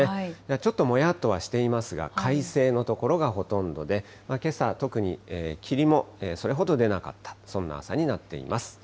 ちょっともやっとはしていますが、快晴の所がほとんどで、けさは特に霧もそれほど出なかった、そんな朝になっています。